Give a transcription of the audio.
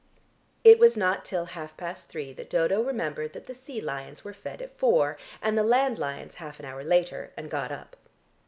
It was not till half past three that Dodo remembered that the sea lions were fed at four, and the land lions half an hour later, and got up.